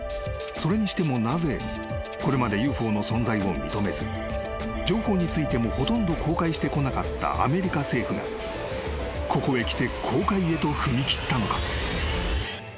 ［それにしてもなぜこれまでＵＦＯの存在を認めず情報についてもほとんど公開してこなかったアメリカ政府がここへきて公開へと踏み切ったのか？］